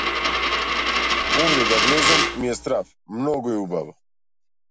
Овде да влезам, ми е страв, многу е убаво.